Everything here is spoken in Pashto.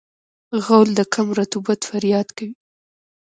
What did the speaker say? غول د کم رطوبت فریاد کوي.